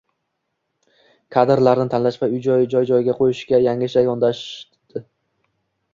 Kadrlarni tanlash va joy-joyiga qo‘yishga yangicha yondashilading